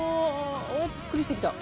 ぷっくりしてきた。